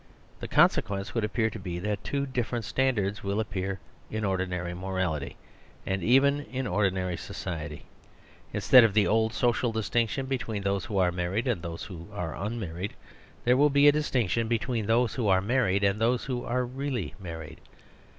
The con sequence would appear to be that two differ ent standards will appear in ordinary moral ity, and even in ordinary society. Instead of^ the old social distin ction between those who are married and those who are unmarried, t here will be a distinction between those wh o are married and those who are really married